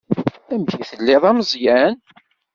Amek i telliḍ a Meẓyan?